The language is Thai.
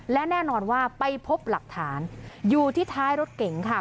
และแน่นอนว่าไปพบหลักฐานอยู่ที่ท้ายรถเก๋งค่ะ